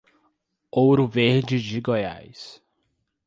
Ouro Verde de Goiás